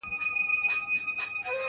ټکي لوېږي د ورورۍ پر کړۍ ورو ورو-